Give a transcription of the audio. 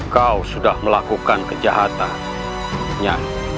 kau sudah melakukan kejahatannya